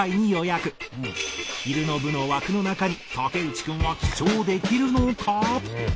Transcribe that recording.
昼の部の枠の中に竹内君は記帳できるのか？